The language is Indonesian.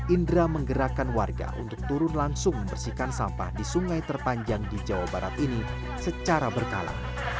indra menggerakkan warga untuk turun langsung membersihkan sampah di sungai terpanjang di jawa barat ini secara berkala